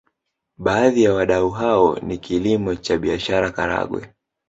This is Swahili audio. Baadhi ya wadau hao ni kilimo cha biashara Karagwe